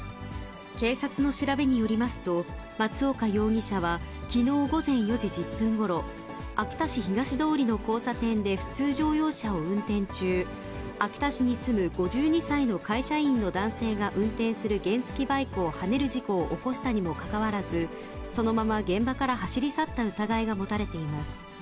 警察の調べによりますと、松岡容疑者はきのう午前４時１０分ごろ、秋田市東通の交差点で普通乗用車を運転中、秋田市に住む５２歳の会社員の男性が運転する原付バイクをはねる事故を起こしたにもかかわらず、そのまま現場から走り去った疑いが持たれています。